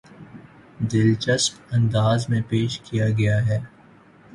دلچسپ انداز میں پیش کیا گیا ہے